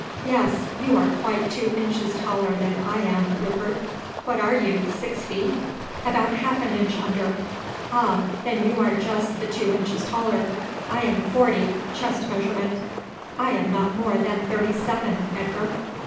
"Yes, you are quite two inches taller than I am, Rupert. What are you six feet?" "About half an inch under." "Ah! then you are just the two inches taller. I am forty, chest measurement." "I am not more than thirty seven, Edgar."